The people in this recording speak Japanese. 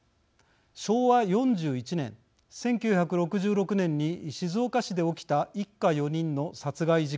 昭和４１年１９６６年に静岡市で起きた一家４人の殺害事件。